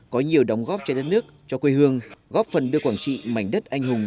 có nhiều đóng góp cho đất nước cho quê hương góp phần đưa quảng trị mảnh đất anh hùng